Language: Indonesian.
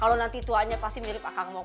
kalau nanti itu hanya pasti mirip akang mokok